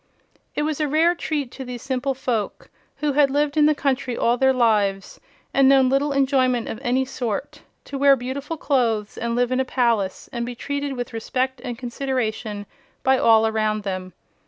It was a rare treat to these simple folk, who had lived in the country all their lives and known little enjoyment of any sort, to wear beautiful clothes and live in a palace and be treated with respect and consideration by all around them.